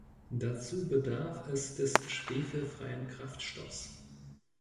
Dazu bedarf es des schwefelfreien Kraftstoffs.